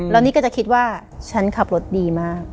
แล้วนี่ก็จะคิดว่าฉันขับรถดีมาก